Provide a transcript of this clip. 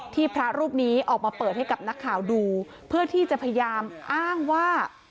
พระรูปนี้ออกมาเปิดให้กับนักข่าวดูเพื่อที่จะพยายามอ้างว่า